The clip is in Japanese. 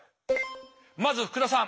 まず福田さん。